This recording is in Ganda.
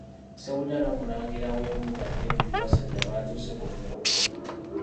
Ssebunnya n’omulangira w’embuga David Wassajja batuuse ku mukolo.